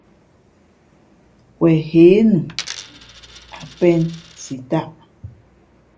Wen hě nu, a pēn si tāʼ.